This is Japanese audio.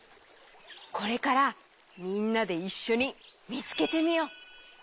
これからみんなでいっしょにみつけてみよう！